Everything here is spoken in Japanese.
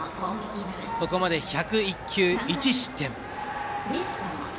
ここまで１０１球１失点。